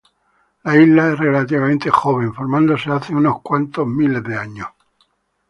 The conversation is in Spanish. La isla es relativamente joven, formándose hace unos cuantos miles de años.